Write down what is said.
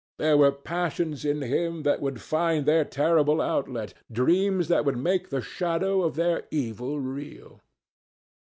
There were passions in him that would find their terrible outlet, dreams that would make the shadow of their evil real.